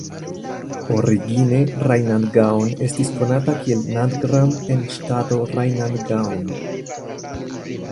Origine Rajnandgaon estis konata kiel Nandgram en ŝtato Rajnandgaon.